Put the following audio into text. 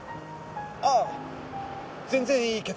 ああ全然いいけど。